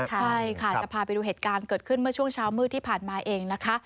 ใช่ค่ะจะพาไปดูเหตุการณ์เกิดขึ้นเมื่อช่วงเช้ามืดที่ผ่านมาเองนะคะ